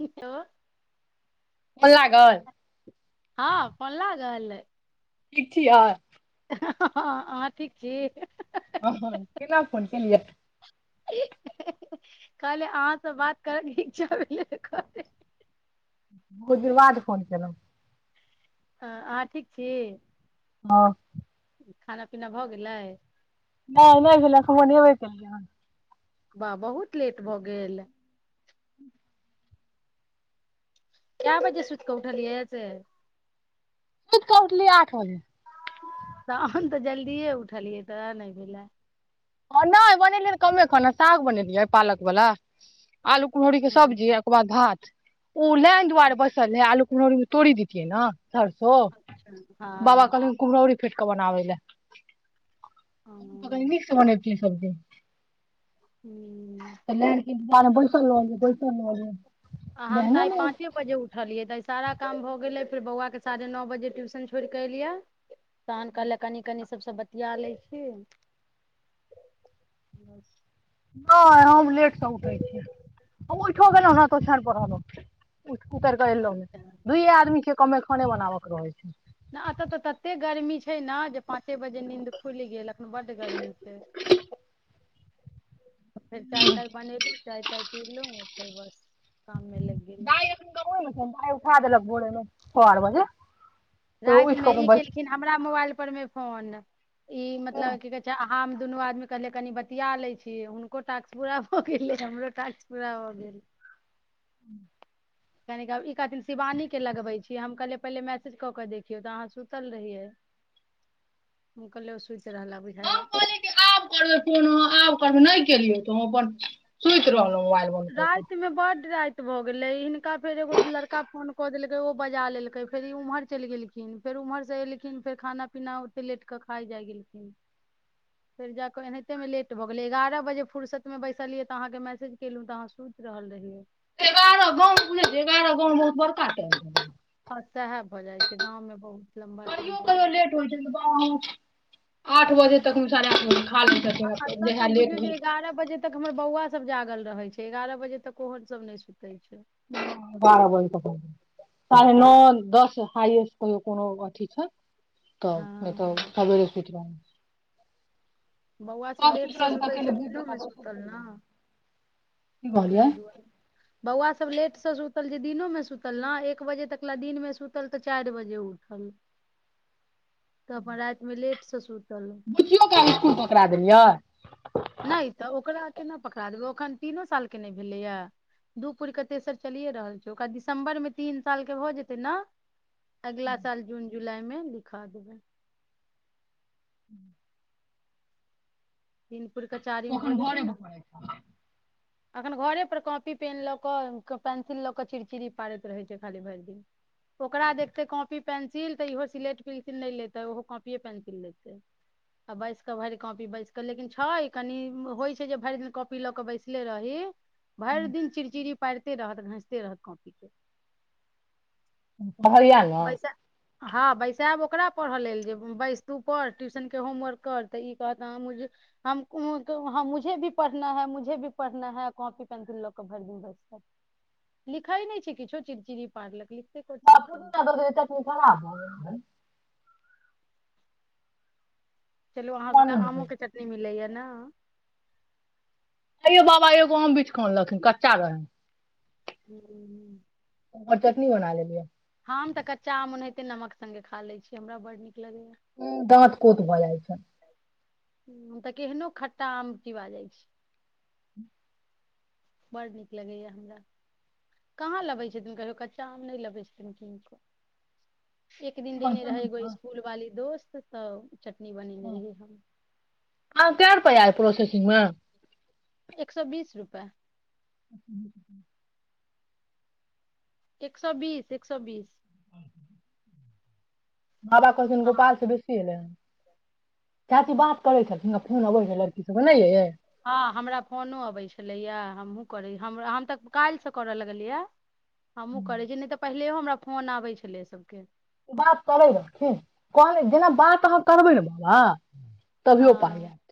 कतब [inaudible] phone लागल हँ पलल कहल ठिक छिय हँ अहाँ ठीक छी ह हँ केेन फोन केलिये कहलै अहाँसँ बात करयके इच्छा भेलै बहुत दिन बाद फोन केलउ ह अहाँ ठीक छी हँ खाना पीना भऽ गेलै नहि नहि फ अखबोनबै केलिए वाह बहुत लेट भऽ गेल क्य बजे सुट क उठ लय छै सुीट क उठल आठ बजे तहन तऽ जल्दिए उठलियै तऽ नहि भेलै हँ नहि बनेलियै तऽ कमे खाना साग बनेलियै पालकवला आलू कुलहररी के सब्जी हँ ओकर बाद भात ओ लेईन दुआर बसल आलू ओर तोड़ दैतियै ने सरसो बाबा ह कालीम कुमराावरी फिटक बनाबै ल त तऽ कहहि कि सबबजी हू बारे मे बेएसल रहलो बेएसललो ब [unintelligible] आ हम तऽ आइ पाँचे बजे उठलियै तऽ सारा काम भऽ गेलै फेर बौआके साढ़े नओ बजे ट्यूशन छोड़ कऽ एलियै शान क ल कनी कनि सबसँ बतिया लै छी नहि हम लेटसँ उठै छियै हम ओहिठओ गेलहुँ ह तो औछानि पर रहलो उतरि कऽ एलहु ने अच्छा दुयए आदमी के कमे खाने बनाबके रहै नहि एतऽ छै तऽ तते गर्मी छै ने जे पाँचे बजे नीद खुलि गेल एखन बड्ड गर्मी छै फेर चाय ताय बनेलू चाय ताय पी लू तऽ बस काममे लागि गेलहुँ दाय एखन गाउँऐ मे छै दाय उठा देलक भोरमे छ आर बजे तऽ उठि राति कऽ मे अपन ई बैस केलखिन हमरा मोबाइल परमे फोन ई हम मतलब की कहै छै हम दुनू आदमी कहलिये कनि बतिया लै छियै हुनको टास्क पूरा भऽ गेलै हमरो टास्क पूरा भऽ गेलै [inaudible] कनि ई कहथिन शिवानी के लगबे छियै हम कहलिअन्हि पहिने मैसेज कऽ के देखियौ तऽ अहाँ सुतल रहियै हम कहलियै रहला बुझाइया हम कहलियै कि आब करबै फोन अहाँ आब करबै नहि केलियै तऽ हम अपन सुति रहलौं रातिमे बड्ड राति भऽ गेलै हिनका फेर एगो लड़का फोन कऽ देलकै ओ बजा लेलकै फेर ई उम्हर चलि गेलथिन फेर उम्हर से एलथिन फेर खाना पीना ओते लेट के खाइ जाय गेलथिन फेर जाक एनाहिते मे लेट भऽ गेलै एगार बजे फुरसत मे बैसलियै तऽ अहाँके मैसेज केलहुँ तऽ अहाँ सुति रहल रहियै एगारह गाउँ बुझै छियै एगारह गाउँ बहुत बड़का [inaudible] हँ सैह भऽ जाइ छै गाउँमे बहुत लम्बा टाइम कहियो भऽ जाइ कहियो लेट होइ छै तऽ बाबा छै हम आठ बजे तक मे साढ़े आठ बजे खा लै आ छथिन एतऽ तऽ जहिया बुझियौ लेट जे भेल एगारह बजे तक हमर बौआ सब जागल रहै छै एगारह बजे तक ओहो सब नहि सुतय बारह बजे तक साढ़े नौ दस हाइस्ट कहियो कोनो अथी छै तऽ हँ एतय सबेरे सुति रहल बौआ सभ लेटसँ रंग के सुतै अकेले छै भूत जकाँ दिनोमे बैसल सुतल चैल न गेलै की तै कहलियै दुआरे बौआ सब लेट से सुत सुतल जे दिनोमे सुतल न एक बजे तक दिनमे सुतल तऽ चारि बजे उठल तऽ अपन रातिमे लेट ससुर बुच्चियोके अहाँ स्कुल पकड़ा देलियै नहि तऽ ओकरा केना पकड़ा देबै एखन तीनो सालके नहि भेलैए दू पुरि कऽ तेसर चलिए रहल छै ओकरा दिसम्बरमे तीन सालके भऽ जेतै न अगिला साल जून जून जुलाई मे लिखा देबैय [inaudible] तीन पुरिके चारिम भऽ एखन जेतै घरे पर न पढ़ै छै एखन घरे पर कॉपी पेन लऽ कऽ पेंसिल लऽ कऽ चिड़चिड़ी पारैत रहय छै खाली भरि दिन ओकरा देखते कॉपी पेन्सिल तऽ इहो सिलेट पेंसिल नहि लेेतै ओहो कॉपीे पेंसिल लेतै आ बैस के भरि कॉपी बैस लेकिन छै कनि होई छै जे भरि दिन कॉपी लऽ कऽ बैसले रही भरि दिन चिड़चिड़ी पारि रहत घसिते रहत कॉपी के [unintelligible] बहरिया न बैसा हँ बैसायब ओकरा पढ़य लेल जे बैस तू पढ़ ट्यूशन के होमवर्क कर तऽ ई कहत हँ हम मुझे भी पढ़ना है मुझे भी पढ़ना है कॉपी पेंसिल लऽ के भरि दिन बैसतै लिखै नई छैइ किछो चिड़चिड़ी पारलक लिखतै कथि एखन देखियौ तऽ ई चटनी खराब भऽ गेल छै चलू अहाँ सबके मोने नहि आमो भेल कऽ चटनी मिलैयै नहि आइयो बाबा एगो आम बिछ कऽ आनलथिन कच्चा रहय ह ह आओर चटनी बना लेलियै हम तऽ कच्चा आम ओनाहि कते नमक संगहि खा लए छी हमरा बड नीक लगैया दाँत कोथ भऽ जाय छै हम तऽ केहनो खट्टा आम चीबा जाइ छियै बड़ नीक लगैए हमरा कहाँ लाबै छथिन कहियो कच्चा आम नहि लाबै छथिन किनकऽ एक दिन देने रहय एगो स्कूल वाली दोस्त से तऽ चटनी बनेने रहि हम प्रोसेसिंगमे एक सौ बीस रुपया [unintelligible] एक सौ बीस एक सौ बीस बाबा कहलथिन्ह अहाँ- गोपाल से बेसी आयलै चाची बात करै छथिन फोन आबै है लड़की सब के नहि ये हँ हमरा फोनो अबैत छलैए हमहूँ करै हम हम तऽ काल्हिसँ करय लगलियै हमहूँ करे छियै नहि तऽ पहिलहियो हमरा फोन आबै छलै सबके ओ बात करै रहथिन कहलै जेना बात अहाँ करबै ने बाबा हँ तभीयो पाई एत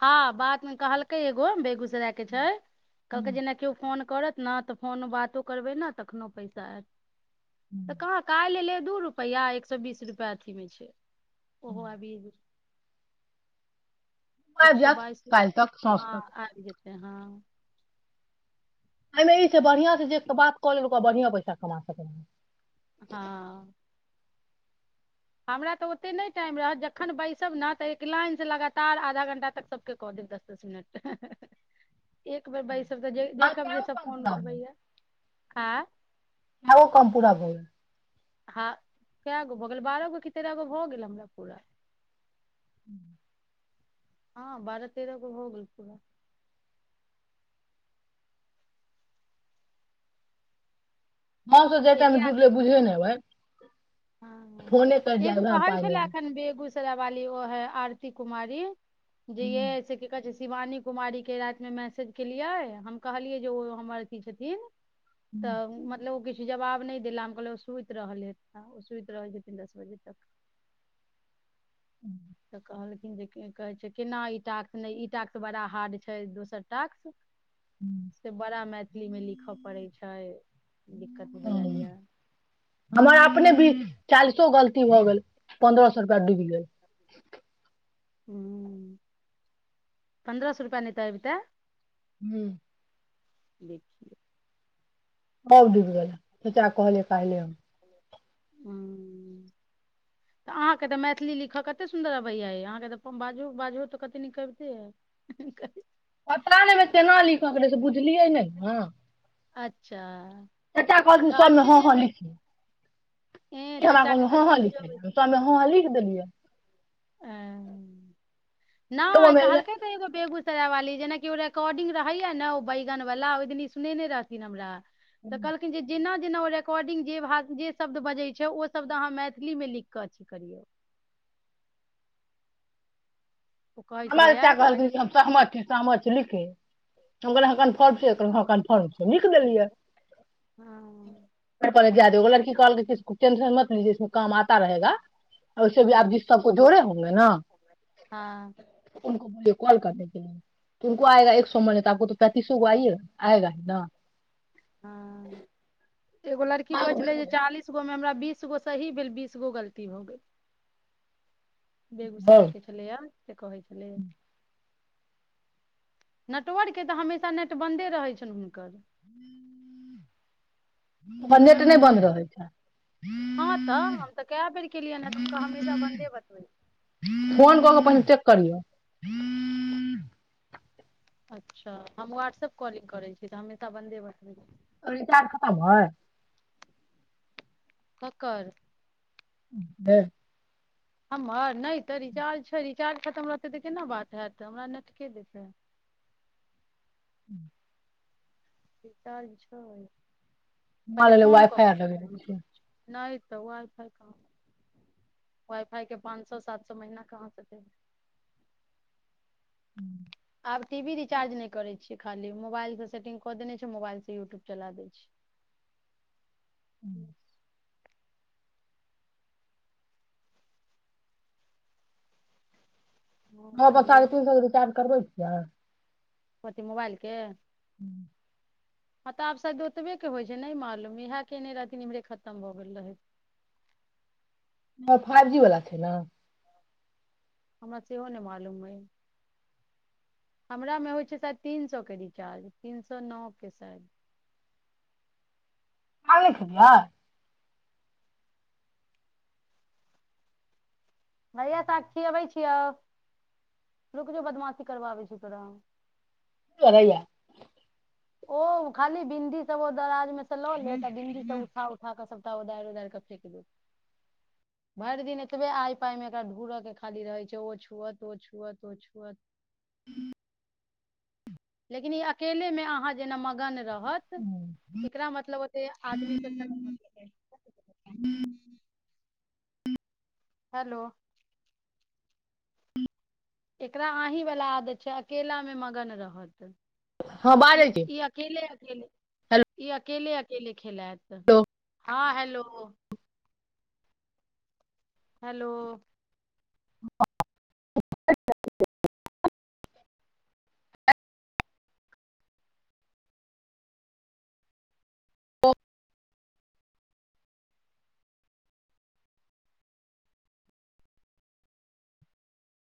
हँ बादमे कहलकै एगो बेगुस सराय के छै हूँ, कहलक जेना केयो फोन करत न तऽ फोन बातो करबै न तखनो पैसा आयत तऽ हूँ, कहाँ काल्हि लेब दू रुपैआ एक सए बीस रुपआ अथी मे छै ओहो हूँ। अभीभी आइब जायत कल तक साझ तक से हँ एहिमे ईसँ बढ़िआँसँ जे बात कऽ लेल ओकरा बढ़िआँ पैसा कमा सकै हँ हमरा तऽ ओतेक नहि टाइम रहत जखन बैसब ने तऽ एक लाइनसँ लगातार आधा घंटा तक सभके कऽ देब दस दस मिनट एक बेर बैसब तऽ आ देखब जे कएगो सब काम फोन पूरा उठबैए आँ हो कम पूरा भऽ गेल हँ कए गो भऽ गेल बारह गो कि तेरह गो भऽ गेल हमरा पूरा [inaudible] हां बारह तेरह गो हो गेल पुरा जेटाईमे जुड़लै बुझेय नइ अबै हां एगो उएहमे कहै पाइ नहि छलै आयल। एखन बेगूस वाली ओ है आरती कुमारी दिये से की कहै छइ से शिवानी कुमारी के रातिमे मैसेज केलियै हम कहलियै जे ओ हमर अथी छथिन त मतलब ओ किछु जवाब नहि देला हम कहलिय ओ सुति रहल हे हां ओ सुती रहै छथीन दस बजे तक त कहलखिन जे की कहै छै केना ईटाक नहि ईटाक बड़ा हार्ड छै दोसर टाक से बड़ा मैथिलीमे लिख पड़ै छै दिक्कत भ हँ, जाइए चालिसो गलती भ गेल पंन्द्रह सो रुपया डूबि गेल हुं पन्द्रह सौ रुपया नै त अबितें हू देखियौ ब डिब गेलला त च कहल कहाहल हुं तऽ अहाँके तऽ मैथिली लिख कतेक सुन्दर अबै ये अहाँके तऽ बाजूहु बाजूहु तऽ कते निक अबैत अए पता नइ तेना लिखके रहै से बुझलियै नै ह अच्छा चचा कहलखीन कहै सबमे छै हां जे हां लिखिहि ए हमरा चचाके कहलखीन हा कतऽ हा लिखइ ले त हा हा लिख दलिये एह नहि एगोमे कहलकई त एगो बेगूसराय वाली जेनाकि ओ रेकॉर्डिंग रहेया ने ओ बैगन वाला ओहि दिन ई सुनेने रहथिन हमरा त कहखीन जे जेना जेना ओ रेकॉर्डिंग जे भाग जे शब्द बजै छै ओ शब्द अहाँ मैथिलीमे लिख कऽ अथी करियौ ओ कहै हमर चाचा छलैया कहै कहलथिन छल कि हम सहम छी सहत छी लिखी हम कहलियै अहाँ कन्फ़र्म छियै हँ कन्फर्म छियै लिख देलियै हँ पढ़ै लेल जाय दियौ एगो लड़की कहलकै की तू टेन्शन मत इसमे काम आता रहेगा ओहिसे भी आप जिस हूँ सब को जोड़े होंगे न हँ उनको बोलिये कॉल करने के लिये उनको आएगा एक सौ मने तऽ आपको पैंतीससोगो आयेगा आयेगा ही न हँ एगो लड़की कहे छलै जे चालीसगो मे हमरा बीस बीसगो सही भेल बीसगो गलती भऽ गेल बेगूसराय के छलैय से कहै छलैय नेटवर्कके तऽ हमेशा नेट बन्दे रहैत छनि हुनकर हुनकर नहि नेट बन्द रहै कखनो छै हँ तऽ हम तऽ कए बेर केलियैन हुनका हमेशा बन्दे बतबै फोन कऽ कऽ पहिने चेक [unintelligible] अच्छा हम व्हाट्सऐप कॉलिंग करै छी तऽ हमेशा बन्दे बतबै ओ रिचार्ज खतम है ककर [unintelligible] हमर नहि तऽ रिचार्ज छै रिचार्ज खतम रहतै तऽ केना बात हैत हमरा नेटके देतै [unintelligible] रिचार्ज छै हमरा पहिले लागैय फोन कऽ वाइफाइ के आर लगेने पूछियौ हुनका। छियै नहि तऽ वाइ फाई कहाँ वाई फाई के पाँच सए सात सए महीना कहाँसँ देबै हूँ आब टी वी रीचार्ज नहि करै छियै खाली मोबाइलके सेटिंग कऽ देने छै मोबाइल से यूट्यूब चला दै छियै ह्म आओर हँ तऽ साढ़े कहियौ तीन सएक रचार्ज करबै छियै कथि मोबाइलके ह्म हँ तब आब शायद ओतबैके होइ छै नहि मालूम इएह कयने रहथिन इम्हरे खतम भऽ गेल रहै हमर फाइव जी वला छै ने हमरा सेहो नहि मालूम अइ हमरामे होइ छै स तीन सौके रिचार्ज तीन सौ नौ के शायद अहाँ नहि खेलियै भैयाक ताबत खियाबै छियौ रुकि जो बदमाशी करबाबै छियौ तोरा कि करय यै ओ खाली बिन्दी सब ओ दराजमे सँ लऽ लेत आ बिन्दी सब उठा उठा कऽ सभटा ओदारि ओदारि कऽ फेक देत भरि दिन एतबे आइ पाइमे एकरा ढु़रय के खाली रहय छै ओ छुअत ओ छुअत ओ छुअत लेकिन ई अकेले मे अहाँ जेना मगन रह हत एकरा मतलब से आदमी ब [inaudible] हेलो। एकरा अहि वला आदत छैक अकेला मे मगन रहत। हँ ई बाजै छी ई अकेल अेल [unintelligible] ई अकेले अकेले खेलत हेलो हँ हेलो हेलो ह [inaudible] आ क छै [unintelligible]